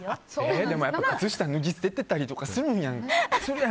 でも靴下脱ぎ捨ててたりとかするやん。